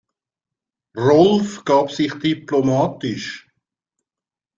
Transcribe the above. Rolf gab sich diplomatisch.